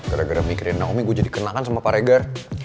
gara gara mikirin naomi gue jadi kenakan sama pak regar